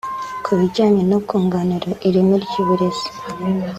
Ku bijyanye no kunganira ireme ry’uburezi